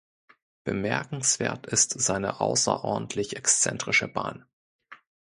Bemerkenswert ist seine außerordentlich exzentrische Bahn.